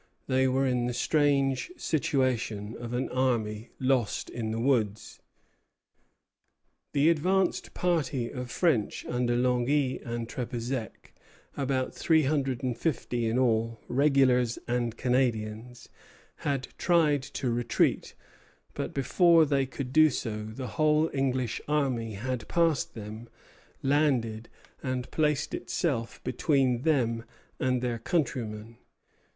They were in the strange situation of an army lost in the woods. Between the old and new steamboat landings, and parts adjacent. The advanced party of French under Langy and Trepezec, about three hundred and fifty in all, regulars and Canadians, had tried to retreat; but before they could do so, the whole English army had passed them, landed, and placed itself between them and their countrymen.